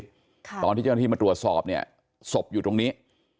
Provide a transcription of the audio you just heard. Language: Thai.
ตอนที่เจ้าหน้าที่มาตรวจสอบเนี่ยศพอยู่ตรงนี้